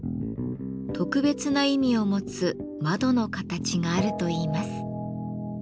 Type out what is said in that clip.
特別な意味を持つ「窓の形」があるといいます。